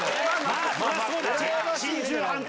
まぁそりゃそうだ。